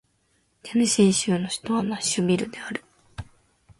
テネシー州の州都はナッシュビルである